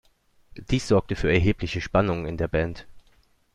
Dies sorgte für erhebliche Spannungen in der Band.